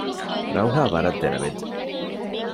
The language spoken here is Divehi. ރައުހާ ވަރަށް ދެރަވެއްޖެ